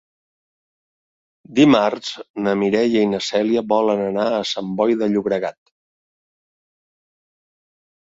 Dimarts na Mireia i na Cèlia volen anar a Sant Boi de Llobregat.